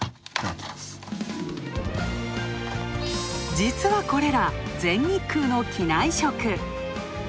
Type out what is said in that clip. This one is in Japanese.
実はこれら、全日空の機内食。